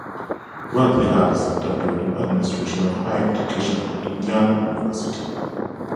Welty has a doctorate in administration of higher education from Indiana University.